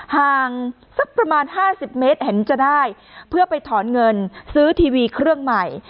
ห่างสักประมาณ๕๐เมตรเห็นจะได้เพื่อไปถอนเงินซื้อทีวีเครื่องใหม่